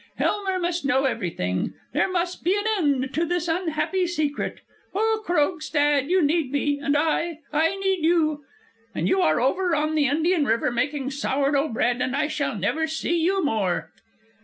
Helmer must know everything! There must be an end to this unhappy secret! O Krogstad, you need me, and I I need you_,' and you are over on the Indian River making sour dough bread, and I shall never see you more!"